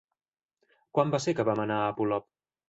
Quan va ser que vam anar a Polop?